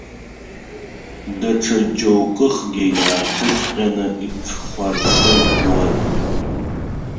Даҽа џьоукыхгьы, иаартыҵәҟьаны иҽхәарԥыжәуан.